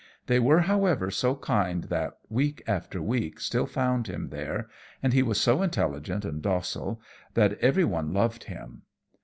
They were, however, so kind that week after week still found him there, and he was so intelligent and docile that every one loved him.